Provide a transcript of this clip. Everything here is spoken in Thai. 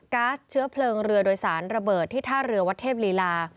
๊าซเชื้อเพลิงเรือโดยสารระเบิดที่ท่าเรือวัดเทพลีลา